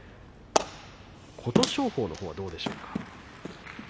琴勝峰のほうはどうでしょうか。